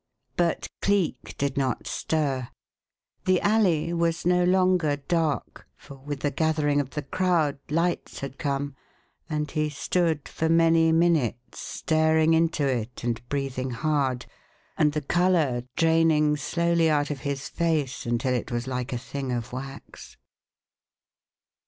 But Cleek did not stir. The alley was no longer dark for, with the gathering of the crowd, lights had come and he stood for many minutes staring into it and breathing hard and the colour draining slowly out of his face until it was like a thing of wax.